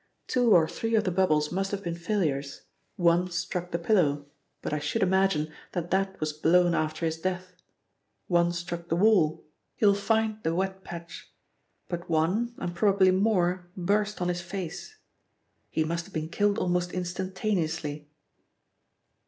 Two or three of the bubbles must have been failures. One struck the pillow, but I should imagine that that was blown after his death; one struck the wall, you will find the wet patch, but one, and probably more, burst on his face. He must have been killed almost instantaneously."